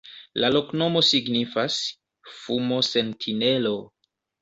La loknomo signifas: fumo-sentinelo.